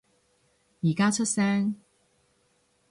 而家出聲